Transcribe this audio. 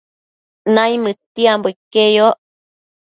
Naimëdtiambo iqueyoc